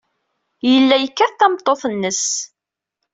Yella yekkat tameṭṭut-nnes.